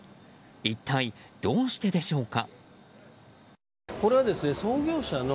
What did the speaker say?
一体どうしてでしょうか。